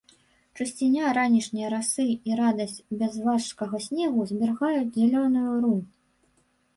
Чысціня ранішняй расы і радасць бязважкага снегу зберагаюць зялёную рунь.